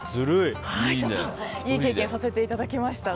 いい経験させていただきました。